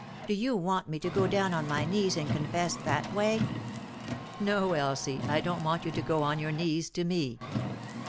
Do you want me to go down on my knees and confess that way ?"" No, Elsie, I don't want you to go on your knees to me."